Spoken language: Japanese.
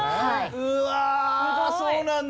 うわそうなんだ！